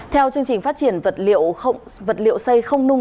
theo chương trình phát triển vật liệu xây không nung